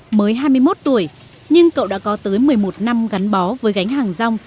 nguyễn văn khanh mới hai mươi một tuổi nhưng cậu đã có tới một mươi một năm gắn bó với gánh hàng rong